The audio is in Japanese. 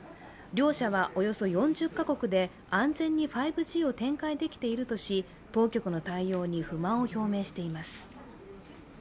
両社はおよそ４０カ国で安全に５Ｇを展開できているとし、当局の対応に不満を表明しています。